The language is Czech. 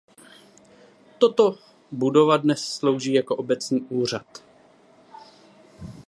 Toto budova dnes slouží jako obecní úřad.